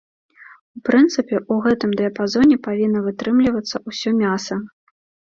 У прынцыпе, у гэтым дыяпазоне павінна вытрымлівацца ўсё мяса.